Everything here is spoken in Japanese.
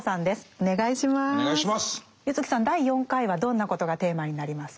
柚木さん第４回はどんなことがテーマになりますか？